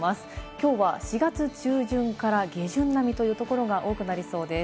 今日は４月中旬から下旬並みという所が多くなりそうです。